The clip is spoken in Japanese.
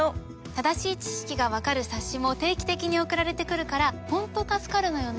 正しい知識が分かる冊子も定期的に送られてくるからホント助かるのよね。